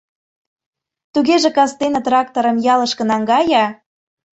— Тугеже кастене тракторым ялышке наҥгае.